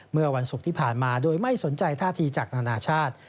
เมื่อวันศุกร์ที่ผ่านมาโดยไม่สนใจท่าทีจากนานาชาติ